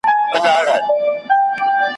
ډار به واچوي په زړوکي `